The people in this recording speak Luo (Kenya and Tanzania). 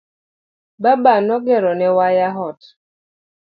Baba no gero ne waya ot.